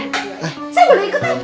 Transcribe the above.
saya boleh ikut nod